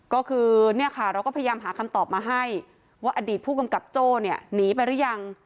ก็คือเนี่ยค่ะเราก็พยายามหาคำตอบมาให้ว่าอดีตผู้กำกับโจ้เนี่ยหนีไปหรือยัง